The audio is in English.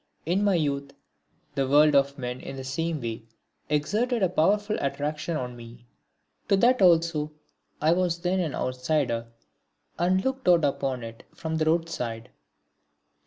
In my youth the world of men in the same way exerted a powerful attraction on me. To that also I was then an outsider and looked out upon it from the roadside.